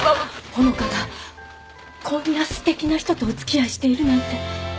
穂香がこんなすてきな人とお付き合いしているなんて